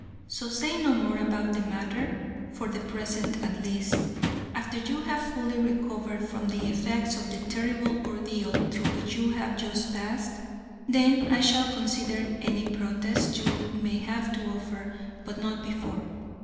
So say no more about the matter, for the present at least. After you have fully recovered from the effects of the terrible ordeal through which you have just passed, then I shall consider any protests you may have to offer, but not before.